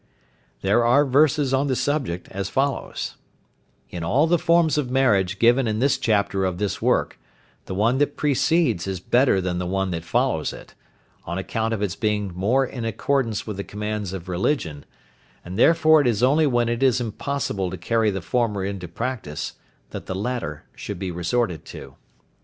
There are verses on the subject as follows: In all the forms of marriage given in this chapter of this work, the one that precedes is better than the one that follows it, on account of its being more in accordance with the commands of religion, and therefore it is only when it is impossible to carry the former into practice that the latter should be resorted to.